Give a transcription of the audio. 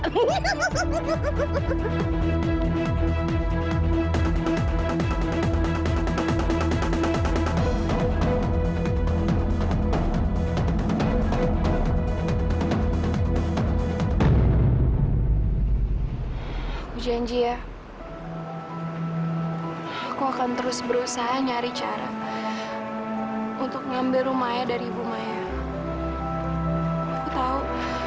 hujan jia aku akan terus berusaha nyari cara untuk ngambil rumahnya dari ibu maya tahu